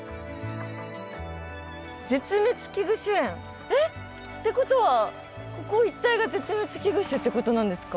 絶滅危惧種園？ってことはここ一帯が絶滅危惧種ってことなんですか？